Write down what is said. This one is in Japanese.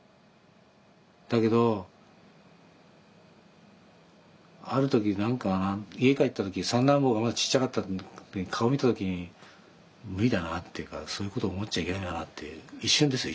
だけどある時何か家帰った時三男坊がまだちっちゃかった顔見た時に無理だなっていうかそういうこと思っちゃいけないんだなって一瞬ですよ。